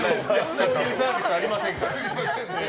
そういうサービスはありませんから。